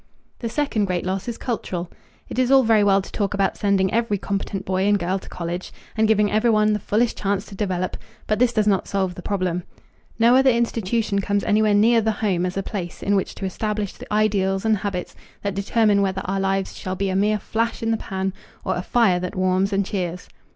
The second great loss is cultural. It is all very well to talk about sending every competent boy and girl to college, and giving every one the fullest chance to develop, but this does not solve the problem. No other institution comes anywhere near the home as a place in which to establish the ideals and habits that determine whether our lives shall be a mere flash in the pan or a fire that warms and cheers.